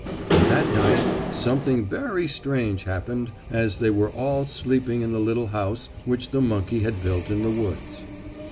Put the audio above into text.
And that night something very strange happened as they were all sleeping in the little house which the monkey had built in the woods.